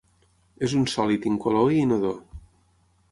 És un sòlid incolor i inodor.